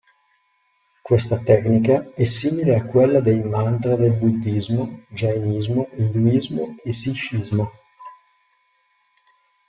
Questa tecnica è simile a quella dei mantra del Buddhismo, Giainismo, Induismo e Sikhismo.